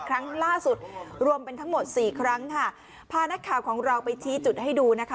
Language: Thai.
ครั้งล่าสุดรวมเป็นทั้งหมดสี่ครั้งค่ะพานักข่าวของเราไปชี้จุดให้ดูนะคะ